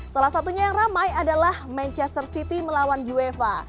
salah satunya yang ramai adalah manchester city melawan uefa